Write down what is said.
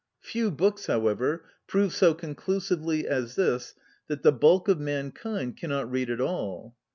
Few books, however, prove so conclusively as this that the bulk of mankind cannot read at all.